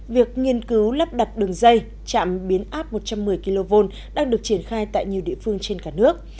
việc nghiên cứu lắp đặt đường dây chạm biến áp một trăm một mươi kv đang được triển khai tại nhiều địa phương trên cả nước